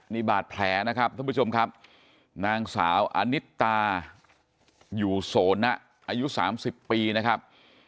นี่บาดแผลนะครับท่านผู้ชมครับนางสาวอนิตาอยู่โสนะอายุ๓๐ปีนะครับ